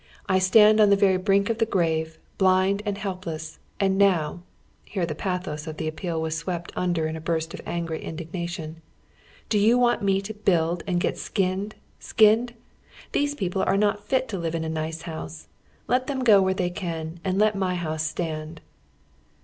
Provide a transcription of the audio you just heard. I stand on the very brink of the grave, blind and helpless, and now (here the pathos of the appeal was swept under in a burst of angry indignation) do yon want me to build and get skinned, skinned ? These people are not fit to live in a nice house. Let them go where they can, and let my house stand."